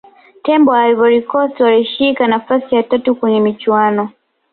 tembo wa ivory coast walishika nafasi ya tatu kwenye michuano